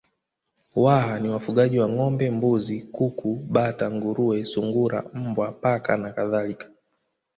Waha ni wafugaji wa ngombe mbuzi kuku bata nguruwe sungura mbwa paka na kadhalika